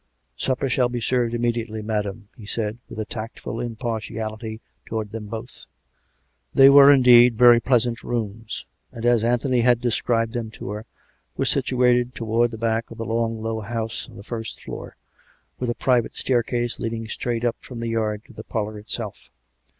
" Supper shall be served immediately, madam," he said, with a tactful impartiality towards them both. 146 COME RACK! COME ROPE! They were indeed very pleasant rooms; and, as Anthony had described them to her, were s'ituated towards the back of the long, low house, on the first floor, with a private stair case leading straight up from the yard to the parlour itself.